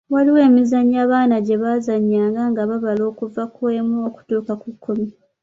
Waliwo emizannyo abaana gye baazannyanga nga babala okuva ku emu okutuuka ku kkumi.